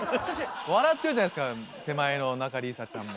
笑ってるじゃないですか手前の仲里依紗ちゃんも。